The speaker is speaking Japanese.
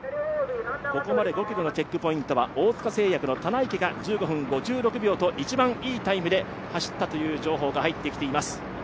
ここまで５ｋｍのチェックポイントは大塚製薬の棚池が１５分５６秒と１番いいタイムで走ったという情報が入ってきています。